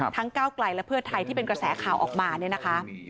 ทั้งกกและพทที่เป็นกระแสข่าวออกมาเนี่ยนะคะ